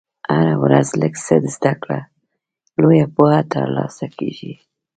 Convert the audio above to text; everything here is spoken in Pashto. هره ورځ لږ څه زده کړه، لویه پوهه ترلاسه کېږي.